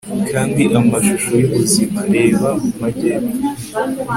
kandi amashusho yubuzima. reba mu majyepfo